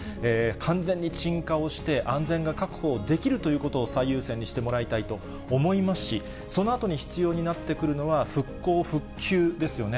完全に鎮火をして、安全が確保できるということを最優先にしてもらいたいと思いますし、そのあとに必要になってくるのが復興・復旧ですよね。